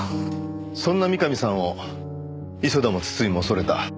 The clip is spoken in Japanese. そんな三上さんを磯田も筒井も恐れた。